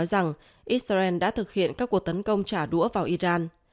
iran nói rằng israel đã thực hiện các cuộc tấn công trả đũa vào iran